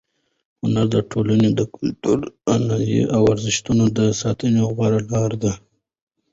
هنر د ټولنې د کلتور، عنعناتو او ارزښتونو د ساتنې غوره لار ده.